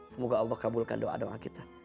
semoga allah kabulkan doa doa kita